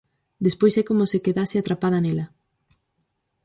Despois é como se quedase atrapada nela.